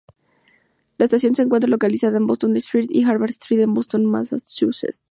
La estación se encuentra localizada en Beacon Street y Harvard Street en Boston, Massachusetts.